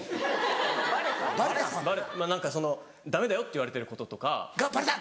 何かそのダメだよって言われてることとか。がバレた。